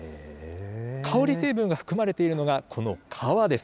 香り成分が含まれているのがこの皮です。